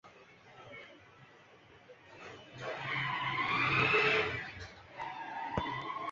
তবে, কোর্টের চেয়ে পিচের দিকেই দৃষ্টি নিবদ্ধ করেন তিনি।